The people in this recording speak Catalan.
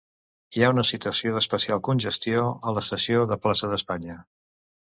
Hi ha una situació d’especial congestió a l’estació de plaça d’Espanya.